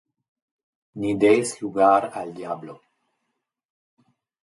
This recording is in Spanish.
Ni deis lugar al diablo.